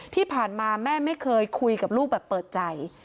ที่ผ่านมาแม่ไม่เคยคุยกับลูกแบบเปิดใจ